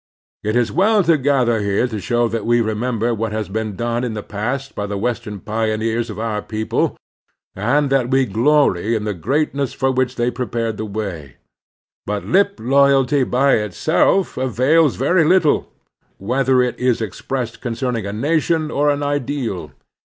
It is well to gather here to show that we remember what has been done in the past by the Western pioneers of our people, and that we glory in the greatness for which they prepared the way. But lip loyalty by itself avails very little, whether it is expressed con cerning a nation or an ideal.